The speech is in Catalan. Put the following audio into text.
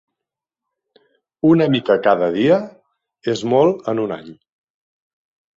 Una mica cada dia és molt en un any.